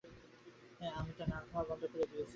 অমিতা নাওয়া-খাওয়া বন্ধ করে বড় অসুখে পড়ে যায়।